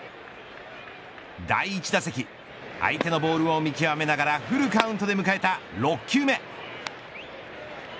第１打席相手のボールを見極めながらフルカウントで迎えた６球目。